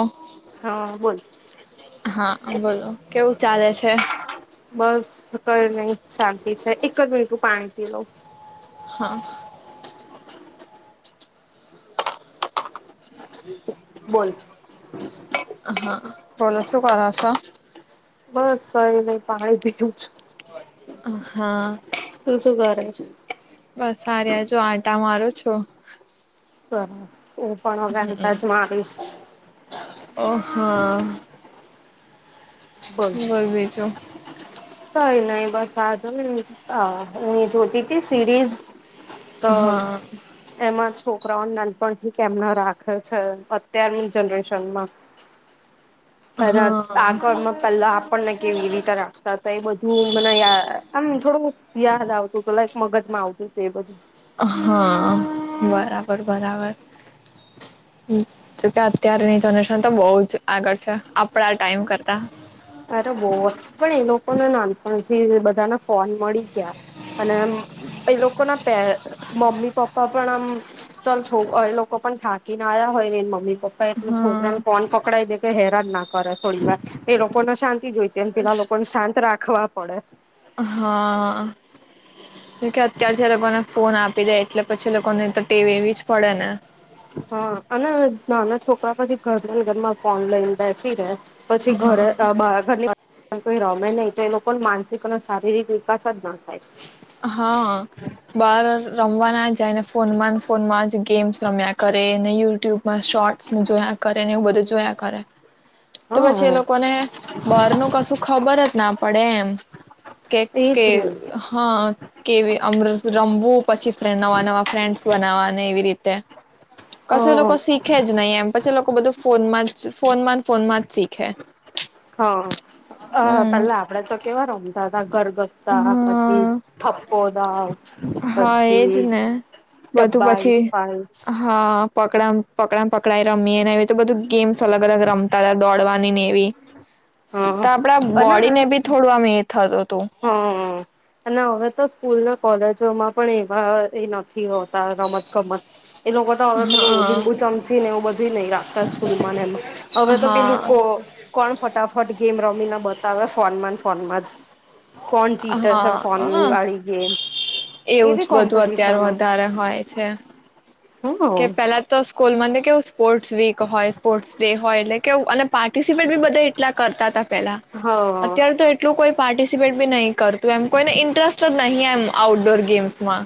ઓ હા, બોલ. હા બોલો કેવું ચાલે છે બસ કહી નહીં, શાંતિ છે. એક જ મિનિટ ઉ પાણી પી લઉ. હા. બોલ. હા બોલો શું કરો છો? બસ કંઈ નહીં, પાણી પીધું જ. હા તું શું કરે છે? બસ, આ રહ્યા જો આટા મારું છું. સરસ. હું પણ હવે આટા જ મારીશ. અહા. બોલ બીજું કંઈ નહીં બસ આ જોને આ હું એ જોતી તી સિરીઝ. તો હા એમ જ છોકરાઓને નાનપણ થી કેમ ના રાખે છે અત્યારની જનરેશનમાં. અત્યારે હા આગળમાં પેલા આપણને કેવી રીતે રાખતા તા એ બધ તું મને યા આમ થોડું યાદ આવતું તું લાઈક મગજમાં આવતું તું એ બધું. હા, બરાબર-બરાબર. જોકે અત્યારની જનરેશન તો બહું જ આગળ છે આપણા ટાઈમ કરતા. કો ને નાનપણથી જ બધાને ફોન મળી ગયા, અને અમ્મ એ લોકો ના પે મમ્મી પપ્પા પણ આમ ચાલ છો એ લોકો પણ થાકીને આયા હોય ને એના મમ્મી પપ્પા એટલે હા છોકરાને ફોન પકડાઈ દે કે હેરાન ના કરે થોડી વાર. એ લોક કો ને શાંતિ જોઈ તેમ પેલા લોકો શાંત રાખ ખવા પડે. હા. કેમ કે અત્યાર થી એ લોકોને ફોન આપી દે એટલે પછી લોકોને તો ટેવ એવી જ પડે ને. હા અને નાના છોકરા પછી ઘર ને ઘરમાં ફોન લઈને બેસી રહે. પછી ઘરે હા અહ બા ઘરના પણ કોઈ રમે નહી તો એ લોકોન માનસિક અને શારીરિક વિકાસ જ ન થાય. હા, બાર રમવા ના જાય ને ફોનમાં ને ફોનમાં જ ગેમ્સ રમ્યા ક, રે ને યુટ્યુબમાં શોર્ટ્સ ને જોયા કરે ને, એવું બધું જોયા કરે. તો પછી એ હા લોકોને બાર નું કશું ખબર જ ના પડેમ કે કે એજ નહી કેવી રમવું પછી નવા નવા ફ્રેડસ બનાવાને એવી રીતે તે કશું એ લોકો હ શીખે જ નહીિ એમ પછી એ લોકો બધું ફોનમાં જ ફોન માં ફોનમાં જ શીખે હ હમ પેલા આપડે તો કેવાર [unintelligible] ગરગથતા હા પછીઠપ્પો હા હા એજ ને બધું ડબ્બાઈ પછી સ્પાઈસ હા પકડ પકડા પકડાઈ રમીએ વે તો બધું ગેમ્સ અલગ અલગ રમતા દોડવાની ને એવી તો હા આપડા બોડી ને બી થોડું આમ એ થતું હતું હ હ અને હવે તો સ્કૂલ નો કોલેજોમાં પણ એવા એ નથ તા રમત-ગમત એ લોકો તો હવે પેલું હા લીંબુ ચમચી ને એવું બધું નહી રાખતા સ્કૂલ માંને એમાં હવે તો પેલું હા કો કોણ ફટાફટ ગેમ રમીને બતાવે ફોન માં ફોનમાં જ કોણ જીતે હા છે ફોનની વાળી ગેમ હ એવું એવી જ બધું અત્યારે કોમ્પિટિશનો વધારે હોય છે. કે હ પેલા તો સ્કૂલ માં કેવુ સ્પોર્ટસ વીક હોય સ્પોર્ટસ ડે હોય એટલે કેવુ અને પાર્ટિસિપેટ બી બધા એટલા કરતા હતા પેલા હા અત્યારે તો એટલું કોઈ પાર્ટિસિપેટ બી નહી કરતું એમ કોઈને ઇન્ટરેસ્ટ જ નહીં એમ આઉટડોર ગેમ્સમાં.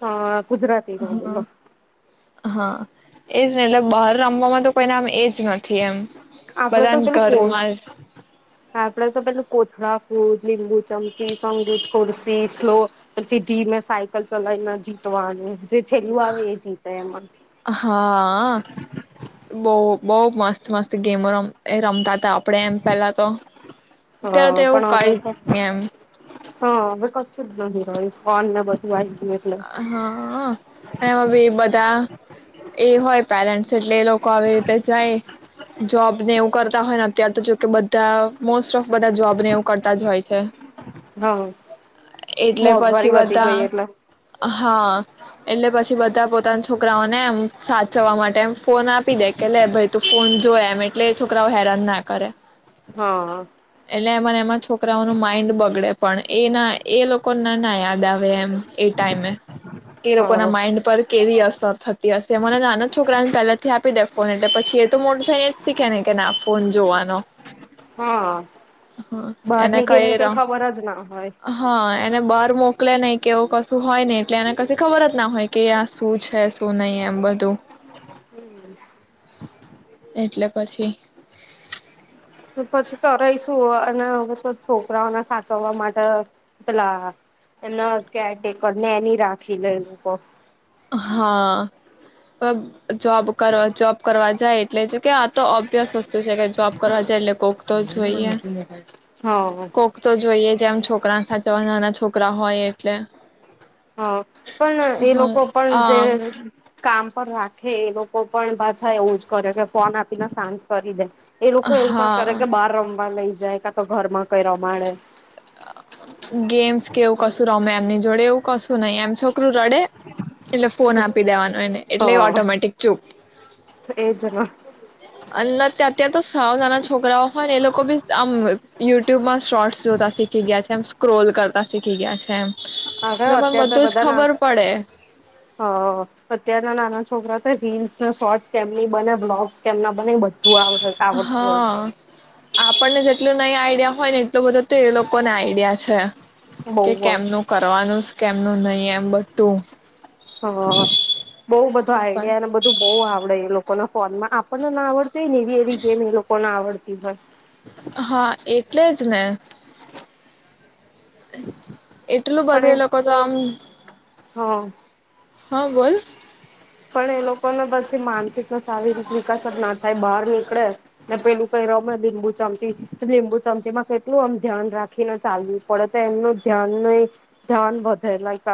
હા ગુજરાતી હા નંધલો. હા એજ ને એટલે બહાર રમવામાં તો કોઈને આમ એજ નથી એમ. આપડે તો બધાને પેલું કો ઘરમાં જ આપડે તો પેલું કોથળા કુદ લીંબુ ચમચી, સંગીત કુર્સી, સ્લો પછી સીધી મેં સાયકલ ચલાવીને જીતવાનું. જે છેલ્લું આવે એ જીતા એમાં. બહ બહુ મસ્ત મસ્ત ગેમો ર એ રમતા આપણેે એમ પેલા તો, અત્યારે તો હા એવું પણ હવે તો કઇ એમ હા હવે કશું જ નથી રહય્યું ફોન મ બધુંય આયુ. હા એમાં બી બધા એ હોય પેરેન્ટ્સ એટલે એ લોકો આવી રીતે જાય જોબને એવું કરતા હોય ને અત્ય્યારે તો જોકે બધા મોસ્ટ ઓફ બધા જોબ ને એવું કરતા જ હોય છે. હમ એટલે પછી મોંઘવારી વધી બધા ગઈ એટલે. હા એટલે પછી બધા પોતા છોકરાઓને એમ સાચવવા માટે એમ ફોન આપી દે કે લે ભાઈ તું ફોન જોય એમ એટલે છોકરાઓ હેરાન ના કરે. હા એટલે એમાંને એમાં છોકરાઓ ન માઈન્ડ બગડે પણ એના એ લોકો ના ના યાદ આવે એમ એ ટમે એ લોકો ના હા માઇન્ડ પર કેવી અસ ર થતી હશે મને નાના છોકરાને પહેલાથી આપી દે ફોન એટલે પછી એ તો મોટું થઈને જ શીખે ને કે ના ફોન જોવાનો. હા હ એને બહારની ગેમને ર કઈ ખબર જ ના હોય. મોક્યા નઇ કેવું પ શું હોય ને એટલે એને કછી ખબર જ ના હોય કે આ શું છે શું નહીિ એમ બધું એટલે પછી તો પછી કરઈશું અને હ છોકરાઓને સાચવવા માટે પેલા એના કેરટેકર ને એની રાખી લે લોકો હા. જોબ કરવા જોબ કરવા જ એટલે કે આ તો ઓબ્લિયસ વસ્તુ છે કે જોબ કરવા જાય એટલે કોક તો જોઈએ. હા. કોક તો જોઈએ જ જેમ છોકરા સાચવા નાના છોકરા હોય એટલે હ પણ એ લોકો પણ જે અ કામ પણ રાખે એ લોકો પણ ભ થાય એવું જ કરે કે ફોન આપીને સાજ કરી દે એ લોકો એવું ના કરે હા કે બહાર રમવા લઈ જ જાય કા તો ઘર માં કઈ રમાડે ગેમ્સ કેવું કશું રમે એમની જોડે એવું કશું નહી એમ છોકરું રડે એટલે ફોન આપી દેવાનો એને એટલે હા ઓટોમેટિક ચૂપ એજ ને અ ત્યા ત્યાં તો સાવ નાના છોકરાઓ હોય ને એ લોકો બી આમ યુટ્યુબમાં શોર્ટ્સ જોતા શીખી ગયા છે. તેમ સ્ક્રોલ કરતા શીખી ગયા છે એમ હા લોકોને અત્યાર તો બધું જ બધા ના ખબર પડે હ અત્યારના નાનો છોકરા રીલ્સ શોર્ટ કેમની બને બ્લોગસ કેમના બને બધું આવડ આવડતું હોય છે. હા આપણને જે એટલું નઈ આઈડિયા હોય ને એટલું બધું તો એ લોકો ને આઈડિયા છે કે બહુ જ કેમનું કરવાનું કેમનું નહીિ એમ બધું હ બહ બધું તો પણ આઈડિયા ને બધું બહ આવડે એ લોકો ફોનમાં આપણને ના આવડ એવી એવી ગેમ એ લોકોને આવડ એ ભાઈ હા એટલે જ ને એટલું બધું એ લોકો તો આમ હા હા બોલ પણ એ લોકોને પછી માનસિક શારીરિક વિકાસ ના થાય બહાર નીકળે ને પેલું કઈ રમે લીંબુ ચમચી લીંબુ ચમચી માં કેટલું આમ ધ્યાન રાખીને ચાલવું પડે તો એમનું ધ્યાન ન ધ્યાન વધે લાઈક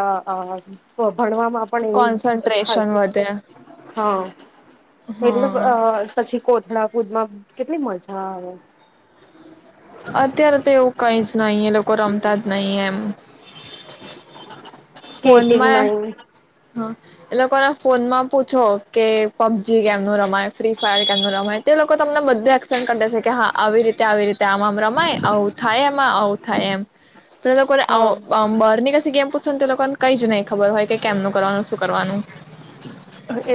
ભણવામાં પણ એવું કોન્સન્ટ્રેશન થાય વધે હા એટલે હા અ પછી કો કલાપુદ માં કેટલી મજા હ [unintelligible] અત્યારે તો એવું કઈ જ નહીિ એ લોકો રમતા જ નહીિ એમ [inaudible] સ્કેેટિંગ નઈ હ એ લોકોના ફોન માં પૂછો કે પબજી કેમનું રમાય ફ્રી ફાયર કેમનું રમાય તે લોકો તમને બધું એક્સપલેન કરી દે છે કે હા આવી રીતે આવી રીત ત્યા આમ આમ રમાય આવું થાય માં આવું થાય એમ. તો લોકોને આ હા. ઓ બ બરની જેસી ગેમ પૂછસો ને તે લોકોને કઈ જ નહી ખબર હોય કે કેમનું કરવાનું શું કરવાનું.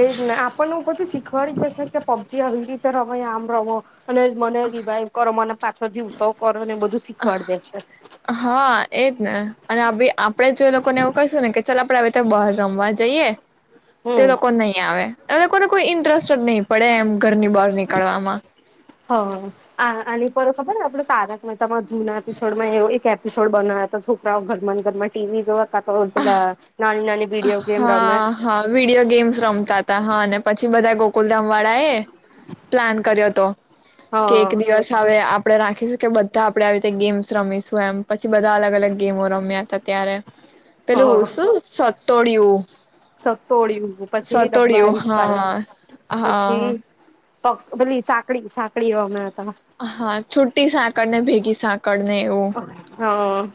એ જ ના આપણ ને ઉપર થી શીખ પડી જશે કે પબજી આવી રીતે રમાય આમ રમો. અને મને રિવાઈ કરો મને પાછો જીવ તો કરો ને બધું શીખવાડ દેશે. હા એજ ને અને આપડે જો ઈ લોકોને એવું કહીશું ને કે ચાલ આપડે હવે ત્યાં બહાર રમવા જઈએ તે હમ લોકો નહી આવે. એ લોકોને કોઈ ઇન્ટરેસ્ટ જ નહી પડે એમ ઘરની બહાર નીકળવામાં હ આ આની પર ખબર આપડે તારક મહેતામાં જૂના એપિસોડમાં એવ એક એપિસોડ બનાવ્યા હતા છોકરાઓ ઘરમાં ઘરમાં ટીવી જોવા [unintelligible] પીલા નાની નાની અહ વિડીયો ગેમ રમે હા હા વિડીયો ગેમ્સ રમતા હતા હ અને પછી બધા ગોકુલધામ વાળા એ પ્લાન કર કર્યો હતો. કે એક હા દિવસ આવે આપ આપણે રાખીશું કે બધા આપણે આવી રીતે ગેમ્સ રમીશું એમ પછ છી બધા અલગ અલગ ગેમો રમ્યા હતા ત્યારે પેલું શું સો તોડ્યું. સતોળિયું પછી ડબ્બાઇસ હા પાઇસ પછી હા પક પેલી સાંકડી સાંકડી રમે. હા છુટી સાંકડ ને ભેગી સાંકળ ને એવું હા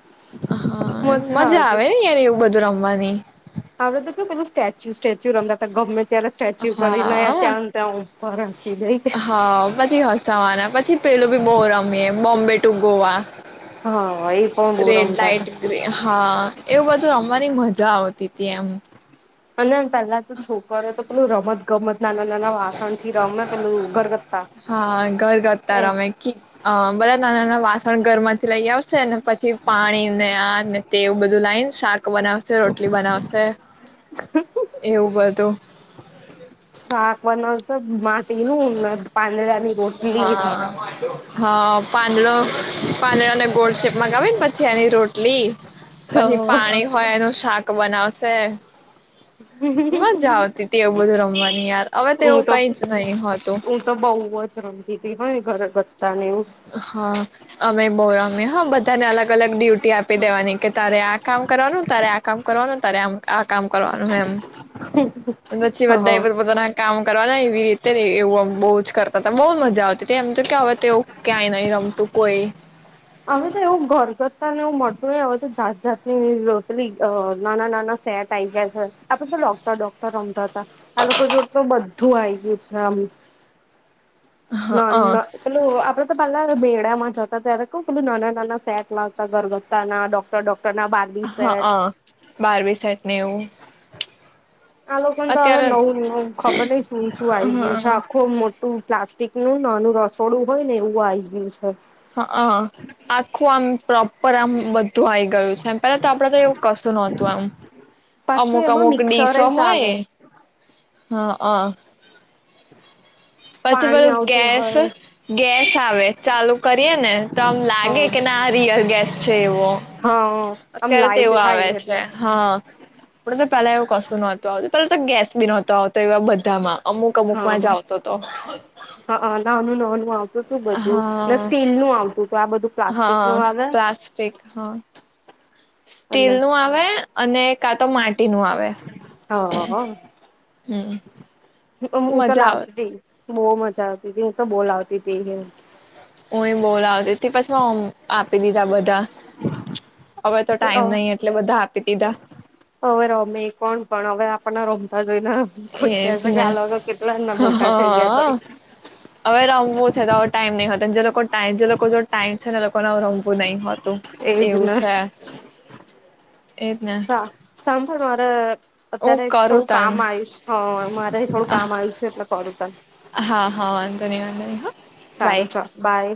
હ અ હા મજા આવે ને યાર એવું બધું રમવાની. [inaudible] હવે તો કે પેલું સ્ટેચ્યુ સ્ટેચ્યુ રમતા તા ગમે ત્યારે સ્ટેચ્યુ ઉપર રહીને. [unintelligible] હા પર. હા પછી હસાવાના પછી પેલું ભી બઉ રમીએ એ બોમ્બે ટુ ગોવા. હા એ પણ બહુ રેડ રમતા લાઇટ હતા. ગ્રીન હ અ એવું બધું રમવાની મજ જા આવ તી તી એમ. અને પેલા તો છોકરી ઓ તો તો રમત ગમત નાના નાના વાસણ થી રમે પેલું ગરગત્તા હા ઘર ઘતા એ રમે બધા નાના નાના વાસણ ઘર માંથી લઈ આવશે. સેલમ. પછી પાણી ને આ. તે એવું બધું લાઈને શાક બનાવશે રોટલી બનાવશે. એવું બધું. હ. શાક બનાવશે. તેનું પાંદડા ની રોટલી. હા હા પાંદડો પાંદડાો ને ગોળ શેપ મગાવી ને પછી એની રોટલી. હ પછી પાણી હોય એનું શાક બનાવ. હ. મજા આવતી હતી એવું બધું રમવાની યાર હવે તો એવું કઈ જ નહી હોત હું તો બહુ જ રમતી તી પણ ઘરે હા અમે બો અમે હા બધાને અલગ અલગ ડ્યુટી આપી દેવાની કે તારે આ કામ કરવાનું તારે આ કામ કરવાનું તારે આમ આ કામ કરવાનું એમ. હ. પછી બધા પોતાના કામ કરવાના એવી રીતે એવુંમ બહુ. કરતા હતા બહુ મજા આવતી હતી એમ તો કે હવે તે ક્યાંય નહી રમતું કોઈ. અવે તો એવું ઘરગથતા ને એવું મળતું ન હવે તો જાત જાતની રતલી નાના નાના સેટ આઈ ગયા છે આપડે તો ડોક્ટર ડોક્ટર રમતા હતા આ લોકો જોડ તો બધું આ ગયું છેમ. ના ન હા ચાલ આપડે તો પલા બેડામાં જ. [unintelligible] [unintelligible] કું ના ના સેટ લતા ગરગતા ના ડૉક્ટર ડ બાર્બી હા હ બારમી સાઈટ ને એવું. આ લોકો તો હવે અત્યારે નવું ખબર નહ શું શું આવી ગયું છે આખું. પ્લાસ્ટિક નું નાનું રસોડું હોય ને એવું આઇ ગયું છે. હ આખું આમ. પ્રોપર આમ બધું. મ પેલા તો આપડે તો એવું કશું નહતું આમ પાછું અમુક એમાં અમુક મિક્સર ડીસો ચાલે હોય. હા અ. પછી પેલ પાણી આવતું ગેસ હોય ગેસ આવે ચાલુ કરીએ ને તો આમ લાગે હા કે ના આ રિયલ ગેસ છે એવો હા આમ અત્યારે લાઈટ તેવું આવે થાય છે એટલે હા આપ. પેલા એવું કશું નહતું આવતું પેલા તો ગેસ બી નહતો આવતો એવા બધામાં. અમુક અમુકમાં હા જા આવ તો. ું લો આપું તું બધું ને સ્ટીલ નું આવતુંું હા પ્લાસ્ટસ્ટિક હા સ્ટીલ એટલે નું આવે અને કા તો માટી નું આ વે હા હમ હું તો મજા આવે લાવતી બહુ મજા આવતી હતીી હું તો બોલ આવતી હતીી હ હું એ બોલ લાવતી તી પછી એ માં આપી દીધા બધા હવે તો ટાઈમ નઈિ એટલે બધા આપી દીધા આપણા રોમતા એજ ને ના હ મોટા થઈ ગયા તો હવે રમવું છે તો ટાઈમ નહ હતો પણ જે લોકો ટાઈમ જે લોકો જો ટાઈમ છે એ લોકોને રમવું નહીં હોત એજ ને એજ ને સાંભળ મારે હું અત્યારે કરું થોડું કામ તને આવ્યું છે હ મારેથી થોડું કામ આવ્યું છે એટલે કરું ત હા હા વાંધો નહી વાંધ ન હો બાય સારું ચાલ બાય